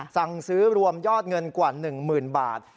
สั่งซื้อรวมยอดเงินกว่า๑๐๐๐บาท